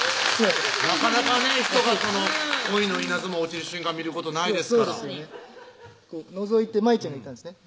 なかなかね人が恋の稲妻落ちる瞬間見ることないですから確かにのぞいて舞ちゃんがいたんですね